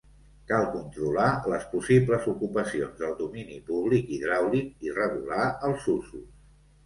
Cal controlar les possibles ocupacions del domini públic hidràulic i regular els usos.